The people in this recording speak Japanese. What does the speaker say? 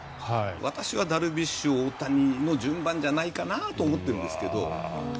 私はダルビッシュ、大谷の順番じゃないかなと思ってるんですけど。